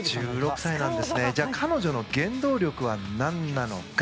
じゃあ彼女の原動力は何なのか。